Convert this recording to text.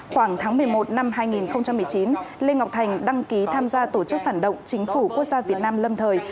khoảng tháng một mươi một năm hai nghìn một mươi chín lê ngọc thành đăng ký tham gia tổ chức phản động chính phủ quốc gia việt nam lâm thời